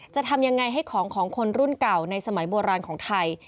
จะทำยังไงให้ของของคนรุ่นเก่าในสมัยโบราณของไทย